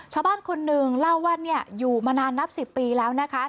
ชาวบ้านคนหนึ่งเล่าว่าอยู่มานานนับ๑๐ปีแล้วนะคะ